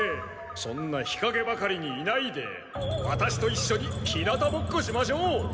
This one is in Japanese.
そんな日陰ばかりにいないでワタシといっしょに日向ぼっこしましょう！